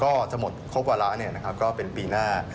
ก็จะหมดครบวาระก็เป็นปีหน้า